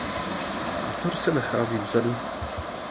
Motor se nachází vzadu.